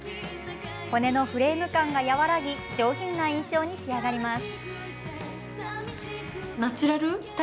骨のフレーム感が和らぎ上品な印象に仕上がります。